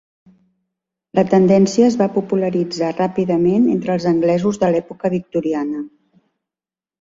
La tendència es va popularitzar ràpidament entre els anglesos de l'època victoriana.